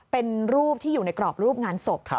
เป็นรูปที่อยู่ในกรอบรูปงานศพ